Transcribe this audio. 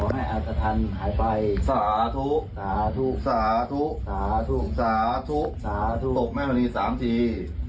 ไม่เจ็ดสนาก็ดี